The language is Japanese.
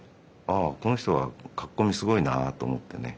「ああこの人は描き込みすごいな」と思ってね